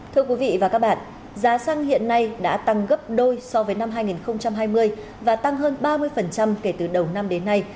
thưa quý vị và các bạn giá xăng hiện nay đã tăng gấp đôi so với năm hai nghìn hai mươi và tăng hơn ba mươi kể từ đầu năm đến nay